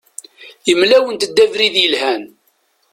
Yemla-awent-d abrid yelhan.